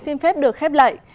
xin phép được khép lại